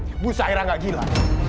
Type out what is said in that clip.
ibu saira gak gila